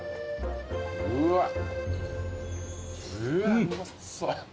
うわっ。